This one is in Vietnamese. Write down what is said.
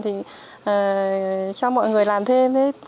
thì cho mọi người làm thêm